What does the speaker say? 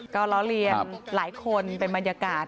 ค่ะก็เราเรียนหลายคนเป็นบรรยากาศ